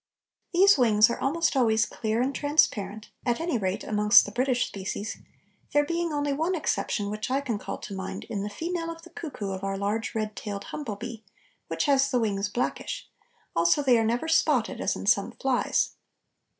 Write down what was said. These wings are almost always clear and transparent, at any rate amongst the British species, there being only one exception which I can call to mind in the female of the cuckoo of our large red tailed humble bee, which has the wings blackish; also they are never spotted, as in some flies.